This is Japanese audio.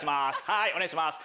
はいお願いします。